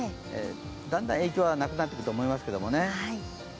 だんだん影響はなくなってくると思いますけどね。